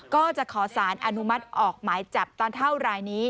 ก็จะขอสารอนุมัติออกหมายจับตาเท่ารายนี้